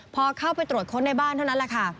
พอเข้าไปตรวจค้นในบ้านเท่านั้นแหละค่ะ